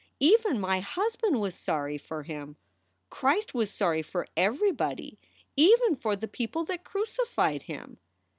Even my husband was sorry for him. Christ was sorry for everybody even for the people that crucified him.